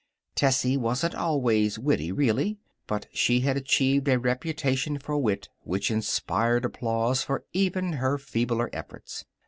Tessie wasn't always witty, really. But she had achieved a reputation for wit which insured applause for even her feebler efforts.